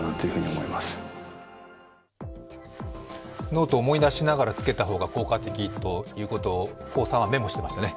ノートを思い出しながらつけた方が効果的ということを高さんはメモしていましたね。